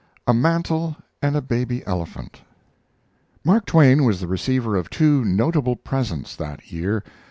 A MANTEL AND A BABY ELEPHANT Mark Twain was the receiver of two notable presents that year.